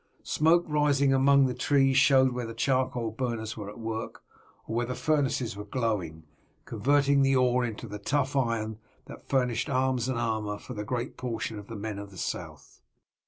Smoke rising among the trees showed where the charcoal burners were at work, or where the furnaces were glowing, converting the ore into the tough iron that furnished arms and armour for the greater portion of the men of the south.